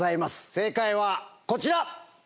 正解はこちら！